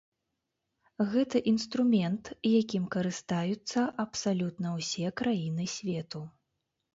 Гэта інструмент, якім карыстаюцца абсалютна ўсе краіны свету.